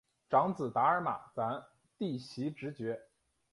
长子达尔玛咱第袭职爵。